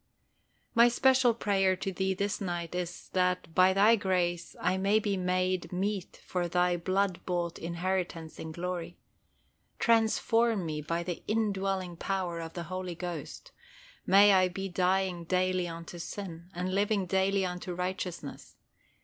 My special prayer to Thee this night is, that by Thy grace I may be made meet for Thy blood bought inheritance in Glory. Transform me by the indwelling power of the Holy Ghost; may I be dying daily unto sin, and living daily unto righteousness.